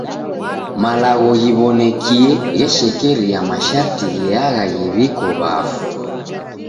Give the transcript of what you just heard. Malagho ghiw'onekie gheshekeria masharti gheagha ghiw'iko wakfu.